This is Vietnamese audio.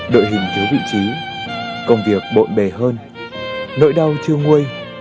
đội hình thiếu vị trí công việc bộn bề hơn nỗi đau chưa nguôi